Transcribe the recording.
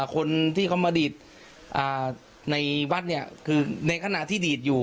คนที่เขามาดีดในวัดเนี่ยคือในขณะที่ดีดอยู่